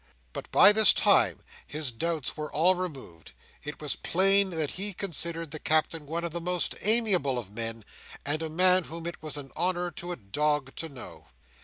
But by this time, his doubts were all removed. It was plain that he considered the Captain one of the most amiable of men, and a man whom it was an honour to a dog to know.